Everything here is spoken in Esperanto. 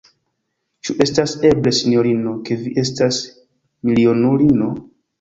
Ĉu estas eble, sinjorino, ke vi estas milionulino?